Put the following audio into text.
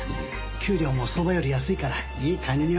給料も相場より安いからいい管理人は来ない。